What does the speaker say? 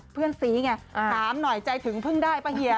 เพื่อนซีไงถามหน่อยใจถึงเพิ่งได้ป่ะเฮีย